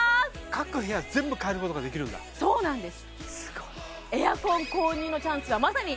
各部屋全部かえることができるんだそうなんですすごいただしですね